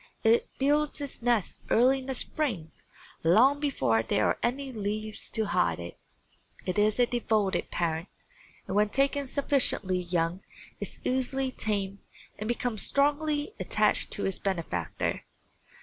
It builds its nest early in the spring, long before there are any leaves to hide it. It is a devoted parent and when taken sufficiently young is easily tamed and becomes strongly attached to its benefactor.